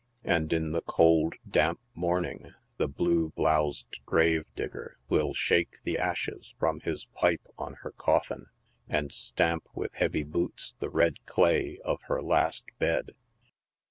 And in the cold, damp morning the blue bloused grave digger will shake the ashes from his pipe on her coffin, and stamp with heavy boots the red clay of her last bed